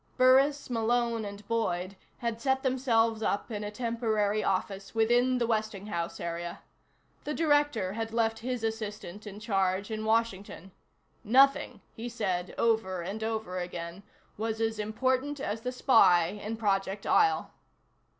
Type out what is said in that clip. Burris, Malone and Boyd had set themselves up in a temporary office within the Westinghouse area. The Director had left his assistant in charge in Washington. Nothing, he said over and over again, was as important as the spy in Project Isle.